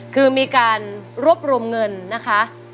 คือมีการรวบรวมเงินนะคะ